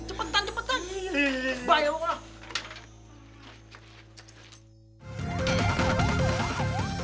cepetan cepetan bye ya bapak